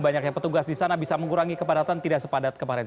banyaknya petugas di sana bisa mengurangi kepadatan tidak sepadat kemarin